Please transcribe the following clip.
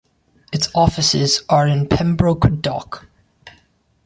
Its offices are in Pembroke Dock.